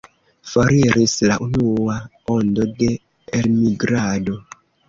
Foriris la unua ondo de elmigrado.